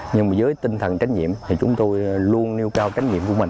nhưng mà với tinh thần trách nhiệm thì chúng tôi luôn nêu cao trách nhiệm của mình